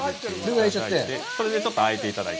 それでちょっとあえていただいて。